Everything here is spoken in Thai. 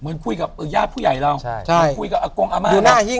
เหมือนคุยกับญาติผู้ใหญ่เรา